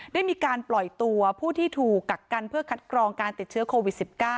ได้มีการปล่อยตัวผู้ที่ถูกกักกันเพื่อคัดกรองการติดเชื้อโควิด๑๙